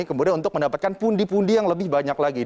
kemudian untuk mendapatkan pundi pundi yang lebih banyak lagi